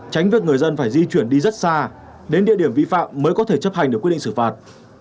tránh việc người dân phải di chuyển đi rất xa đến địa điểm vi phạm mới có thể chấp hành được quyết định xử phạt